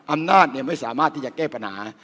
อำนาจไม่สามารถที่จะแก้ปัญหา